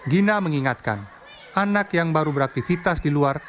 gina mengingatkan anak yang baru beraktivitas di luar